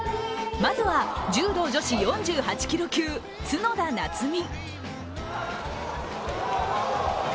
まずは柔道女子４８キロ級、角田夏実。